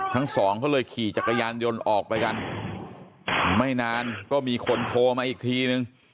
ทั้งสองเขาเลยขี่จักรยานยนต์ออกไปกันไม่นานก็มีคนโทรมาอีกทีนึง